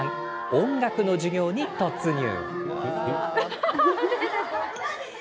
音楽の授業に突入。